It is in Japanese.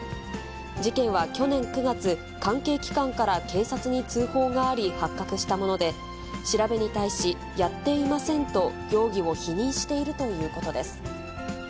事件は去年９月、関係機関から警察に通報があり、発覚したもので、調べに対し、やっていませんと、容疑を否認しているということです。